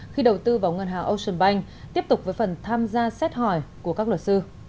khi đầu tư vào ngân hàng ocean bank tiếp tục với phần tham gia xét hỏi của các luật sư